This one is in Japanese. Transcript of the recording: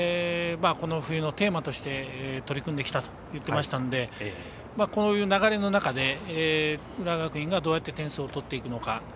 この冬のテーマとして取り組んできたと言ってましたのでこういう流れの中で浦和学院がどうやって点数を取っていくのか。